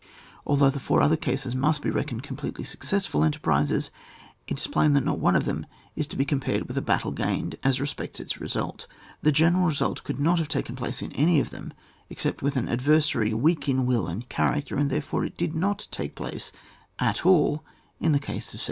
Although the four other cases must be reckoned completely successful enterprises, it is plain that not one of them is to be compared with a battle gained as respects its result. The general result could not have taken place in any of them except with an adversary weak in will and character, and therefore it did not take place at all in the case of 1741.